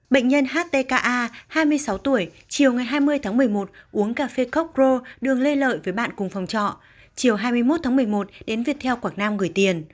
bệnh nhân htka hai mươi sáu tuổi chiều ngày hai mươi tháng một mươi một uống cà phê coke pro đường lê lợi với bạn cùng phòng trọ chiều hai mươi một tháng một mươi một đến việt theo quảng nam gửi tiền